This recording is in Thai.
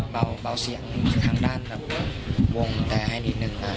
ให้เบาเสียงทางด้านโรงแดดให้นิดนึง